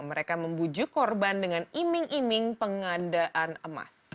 mereka membujuk korban dengan iming iming pengadaan emas